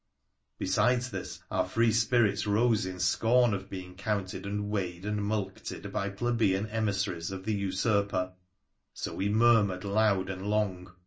Besides this, our free spirits rose in scorn of being counted and weighed and mulcted by plebeian emissaries of the usurper, so we murmured loud and long.